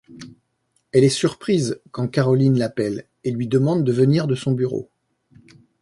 Elle est surprise quand Carolyn l'appelle et lui demande de venir de son bureau.